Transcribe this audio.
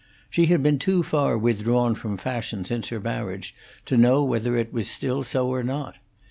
She had been too far withdrawn from fashion since her marriage to know whether it was still so or not.